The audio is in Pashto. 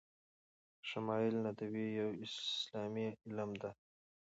شمایل ندوی یو اسلامي علم ده